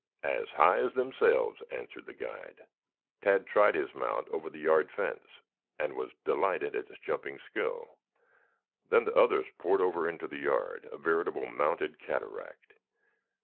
"As high as themselves," answered the guide. Tad tried his mount over the yard fence and was delighted at its jumping skill. Then the others poured over into the yard, a veritable mounted cataract.